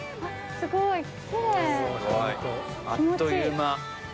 すごいあっという間。